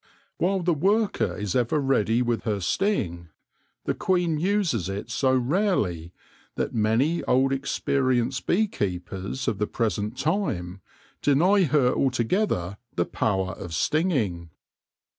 While the worker is ever ready with her sting, the queen uses it so rarely that many old experienced bee keepers of the present time deny her altogether the power of stinging.